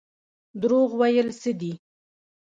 دروغ ویل څه دي؟